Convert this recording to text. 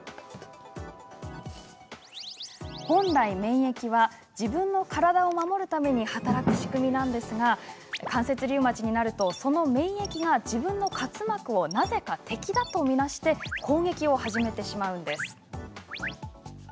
本来、免疫は自分の体を守るために働く仕組みなんですが関節リウマチになるとその免疫が、自分の滑膜をなぜか敵だと見なして攻撃を始めてしまうんです。